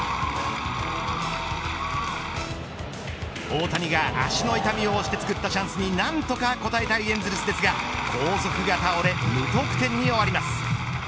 大谷が足の痛みをおして作ったチャンスに何とかこたえたいエンゼルスですが後続が倒れ無得点に終わります。